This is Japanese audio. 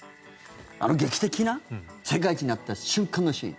あの劇的な世界一になった瞬間のシーン。